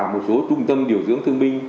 một số trung tâm điều dưỡng thương minh